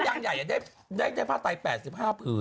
ทางใจเขาพิมพ์คือ